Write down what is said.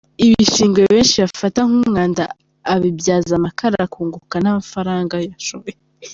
Ibishingwe benshi bafata nk’umwanda abibyaza amakara akunguka nta faranga yashoye.